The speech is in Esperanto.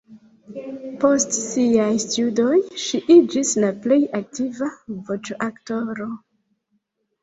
Post siaj studoj ŝi iĝis la plej aktiva voĉoaktoro.